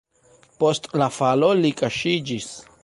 Post la falo li kaŝiĝis.